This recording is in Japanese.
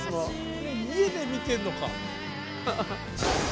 家で見てるのか。